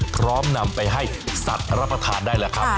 พร้อมนำไปให้สัตว์รับประทานได้แหละครับ